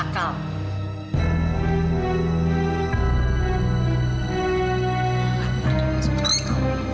enggak masuk akal